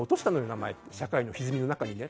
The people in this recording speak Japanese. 名前社会のヒズミの中にね」。